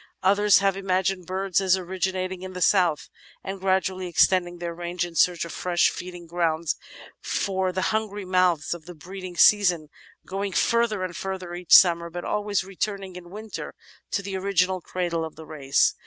Others have imagined birds as originating in the south and gradually extending their range in search of fresh feeding grounds for the himgry mouths of the breeding season, going further and further each summer, but always returning in winter to the original cradle of the race.